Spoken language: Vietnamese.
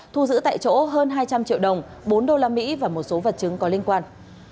thu giữ tại chỗ hơn hai trăm linh triệu đồng bốn usd và một số vật chứng có liên quan